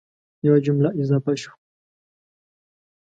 یوه جمله اضافه شوه